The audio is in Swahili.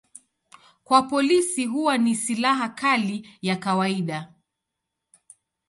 Kwa polisi huwa ni silaha kali ya kawaida.